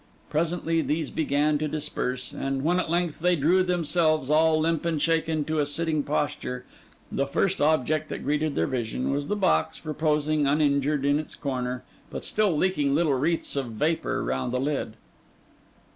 Presently these began a little to disperse: and when at length they drew themselves, all limp and shaken, to a sitting posture, the first object that greeted their vision was the box reposing uninjured in its corner, but still leaking little wreaths of vapour round the lid.